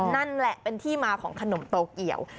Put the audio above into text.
นั่นแหละเป็นที่มาของขนมโตเกียว